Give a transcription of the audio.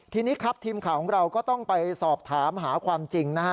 ทีนี้ครับทีมข่าวของเราก็ต้องไปสอบถามหาความจริงนะฮะ